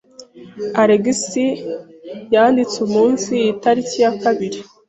alexi yanditse umunsi itariki ya kabiri